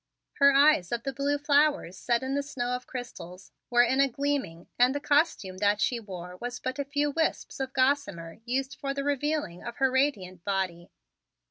Her eyes of the blue flowers set in the snow of crystals were in a gleaming and the costume that she wore was but a few wisps of gossamer used for the revealing of her radiant body.